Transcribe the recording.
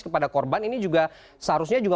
kepada korban ini juga seharusnya juga